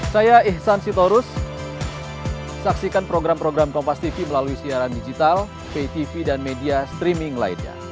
saya ihsan sitorus saksikan program program kompastv melalui siaran digital ptv dan media streaming lainnya